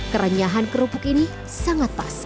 kerenyahan kerupuk ini sangat pas